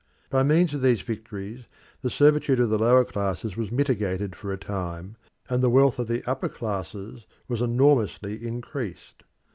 By means of these victories the servitude of the lower classes was mitigated for a time, and the wealth of the upper classes was enormously increased.